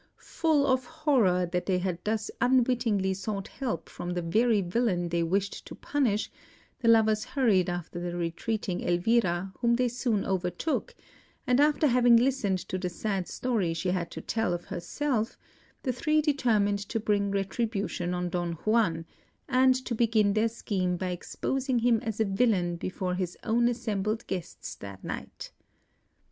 Full of horror that they had thus unwittingly sought help from the very villain they wished to punish, the lovers hurried after the retreating Elvira, whom they soon overtook; and after having listened to the sad story she had to tell of herself, the three determined to bring retribution on Don Juan, and to begin their scheme by exposing him as a villain before his own assembled guests that night.